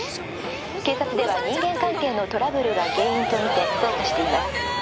「警察では人間関係のトラブルが原因とみて捜査しています」